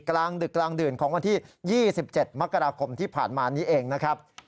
กลางดึกกลางดื่นของวันที่๒๗มกราคมที่ผ่านมานี้เองนะครับ